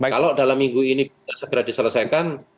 kalau dalam minggu ini bisa segera diselesaikan